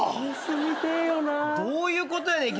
どういうことやねん。